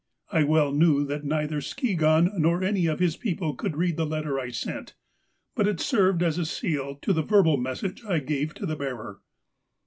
" I well knew that neither Skigahn nor any of his people could read the letter I sent, but it served as a seal to the verbal message I gave to the bearer.